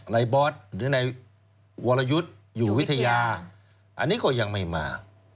บอสหรือนายวรยุทธ์อยู่วิทยาอันนี้ก็ยังไม่มา